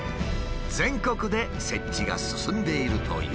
全国で設置が進んでいるという。